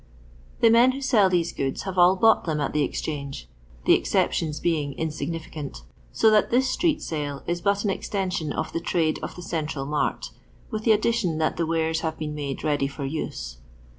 The men who sell these goods have all bought them at the Exchange — Uie exceptions being insignificant— so that this street sale is bat an extension of the trade of the central msrt, with the addition that the wares have been made ready for use.